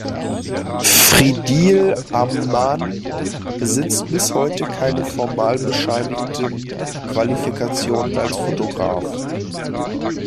Friedel Ammann besitzt bis heute keine formal bescheinigten Qualifikationen als Fotograf.